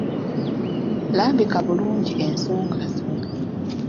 Lambika bulungi ensonga zo.